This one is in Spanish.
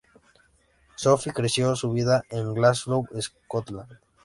Sophie creció toda su vida en Glasgow, Scotland.